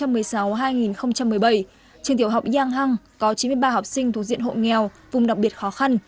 trường tiểu học giang hang có chín mươi ba học sinh thuộc diện hộ nghèo vùng đặc biệt khó khăn